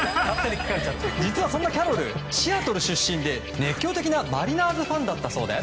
実はキャロルシアトル出身で、熱狂的なマリナーズファンだったそうで。